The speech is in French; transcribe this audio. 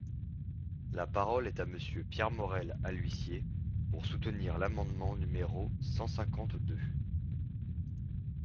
La parole est à Monsieur Pierre Morel-A-L’Huissier, pour soutenir l’amendement numéro cent cinquante-deux.